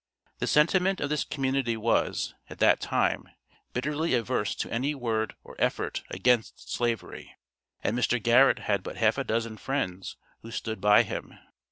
The sentiment of this community was, at that time, bitterly averse to any word or effort against Slavery, and Mr. Garrett had but half a dozen friends who stood by him.